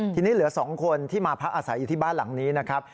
ทีนี้เหลือ๒คนที่มาพักอาศัยอยู่ที่บ้านหลังนี้นะครับ